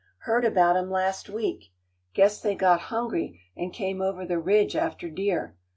Heard about 'em last week; guess they got hungry an' came over the Ridge after deer.